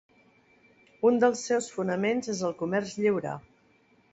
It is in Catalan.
Un dels seus fonaments és el comerç lliure.